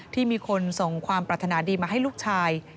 ที่มีคนส่งความปรารถนาดีมาให้ลูกชาย